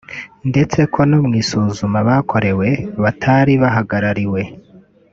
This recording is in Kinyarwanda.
ndetse ko no mu isuzuma bakorewe batari bahagarariwe